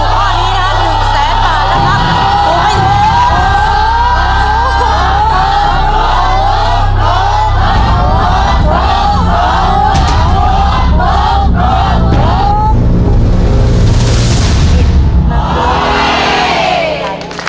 ปุ๊บปุ๊บปุ๊บปุ๊บ